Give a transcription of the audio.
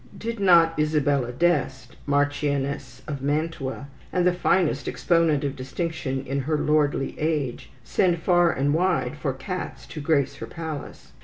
Did not Isabella d' Este, Marchioness of Mantua, and the finest exponent of distinction in her lordly age, send far and wide for cats to grace her palace?